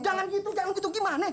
jangan gitu gimane